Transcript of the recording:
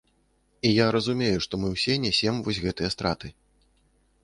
І я разумею, што мы ўсе нясем вось гэтыя страты.